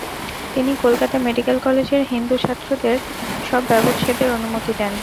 তিনি কলকাতা মেডিকেল কলেজের হিন্দু ছাত্রদের শবব্যবচ্ছেদের অনুমতি দেন।